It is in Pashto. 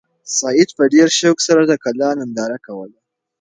سعید په ډېر شوق سره د کلا ننداره کوله.